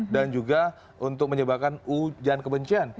dan juga untuk menyebabkan hujan kebencian